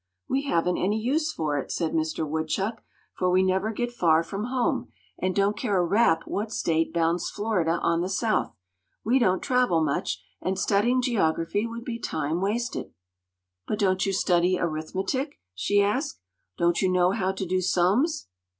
"We haven't any use for it," said Mister Woodchuck; "for we never get far from home, and don't care a rap what state bounds Florida on the south. We don't travel much, and studying geography would be time wasted." "But don't you study arithmetic?" she asked; "don't you know how to do sums?"